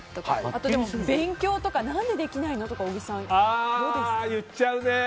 あと、勉強とか何でできないのって言っちゃうね。